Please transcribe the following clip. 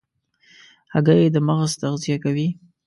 هګۍ د مغز تغذیه کوي.